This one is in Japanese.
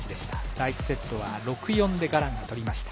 第１セットは６−４でガランが取りました。